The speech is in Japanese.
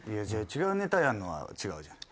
違うネタやるのは違うじゃん。